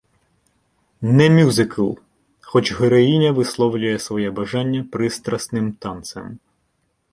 Не мюзикл, хоч героїня висловлює своє бажання пристрасним танцем.